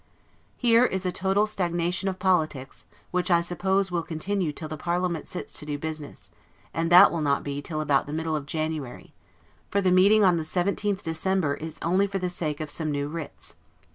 Here is a total stagnation of politics, which, I suppose, will continue till the parliament sits to do business, and that will not be till about the middle of January; for the meeting on the 17th December is only for the sake of some new writs.